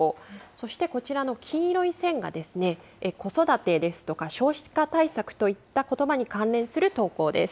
そして、こちらの黄色い線がですね、子育てですとか少子化対策といったことばに関連する投稿です。